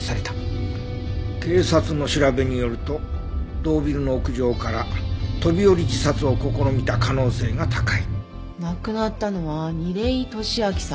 「警察の調べによると同ビルの屋上から飛び降り自殺を試みた可能性が高い」「亡くなったのは楡井敏秋さん２３歳」